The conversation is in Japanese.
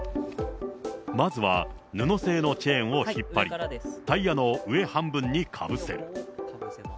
まずは布製のチェーンを引っ張り、タイヤの上半分にかぶせる。